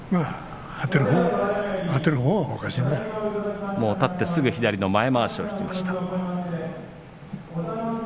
あたってすぐ左の前まわしを引きました。